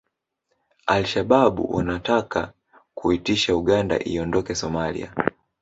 Al Shabab wanataka kuitisha Uganda iondoke Somalia